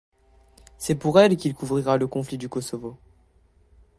C'est pour elle qu'il couvrira le conflit du Kosovo.